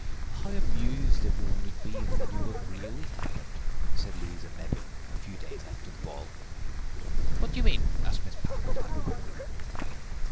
"How amused every one would be if they knew what really happened," said Louisa Mebbin a few days after the ball. "What do you mean?" asked Mrs. Packletide quickly.